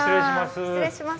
失礼します。